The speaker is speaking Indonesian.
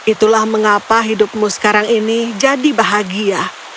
itulah mengapa hidupmu sekarang ini jadi bahagia